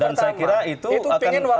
dan saya kira itu akan menjadi